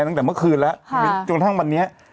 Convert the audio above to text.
ตั้งแต่เมื่อคืนแล้วจนกระทั่งวันนี้